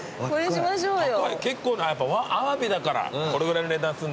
高い結構なやっぱアワビだからこれぐらいの値段すんだ。